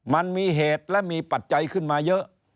มันมีเหตุและมีปัจจัยขึ้นมาเยอะ